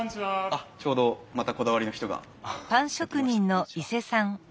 あっちょうどまたこだわりの人がやって来ました。